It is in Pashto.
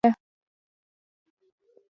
• لوګی د پیغام رسولو لپاره کارېده.